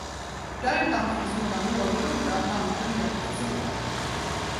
Däribland finns några någorlunda namnkunniga professorer.